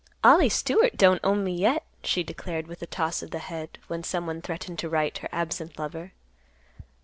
"Ollie Stewart don't own me yet," she declared with a toss of the head, when someone threatened to write her absent lover.